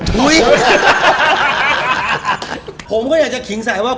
ผมก็อยากจะขิงใส่ว่า